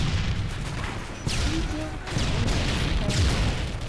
今朝屯公又炒車